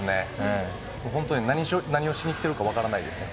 本当に何をしにきてるか分からないですね。